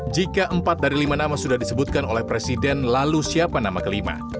jika empat dari lima nama sudah disebutkan oleh presiden lalu siapa nama kelima